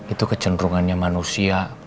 itu kecenderungannya manusia